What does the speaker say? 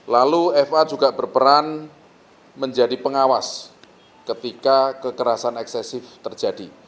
lalu fa juga berperan menjadi pengawas ketika kekerasan eksesif terjadi